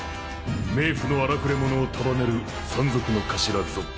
冥府の荒くれ者を束ねる山賊の頭ゾック。